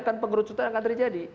dan pengurus kota akan terjadi